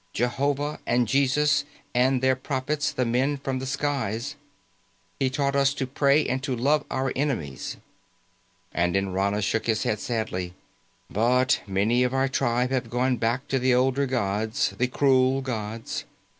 Jehovah, and Jesus and their prophets the men from the skies. He taught us to pray and to love our enemies." And Nrana shook his head sadly, "But many of our tribe have gone back to the older gods, the cruel gods.